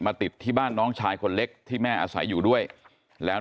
ติดที่บ้านน้องชายคนเล็กที่แม่อาศัยอยู่ด้วยแล้ว